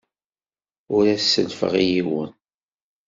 Ur as-sellfeɣ i yiwen.